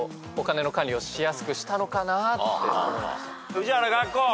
宇治原学校。